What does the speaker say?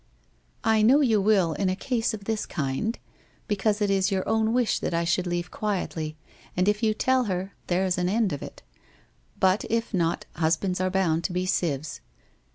* I know you will in a case of this kind because it is your own wish that I should leave quietly, and if you tell her, there's an end of it ! But if not, husbands are bound to be sieves.